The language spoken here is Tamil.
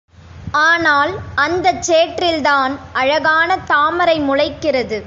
ஆனால் அந்தச் சேற்றில்தான் அழகான தாமரை முளைக்கிறது.